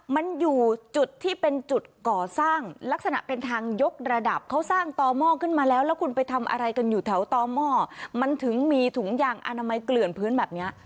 มันอยู่จุดที่เป็นจุดก่อสร้างลักษณะเป็นทางยกระดับเขาสร้างต่อหม้อขึ้นมาแล้วแล้วคุณไปทำอะไรกันอยู่แถวต่อหม้อมันถึงมีถุงยางอนามัยเกลื่อนพื้นแบบเนี้ย